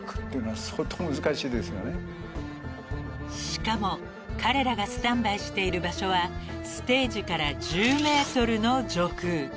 ［しかも彼らがスタンバイしている場所はステージから１０ｍの上空］